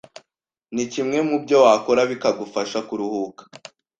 ni kimwe mu byo wakora bikagufasha kuruhuka